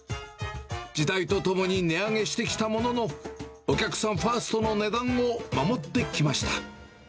時代とともに値上げしてきたものの、お客さんファーストの値段を守ってきました。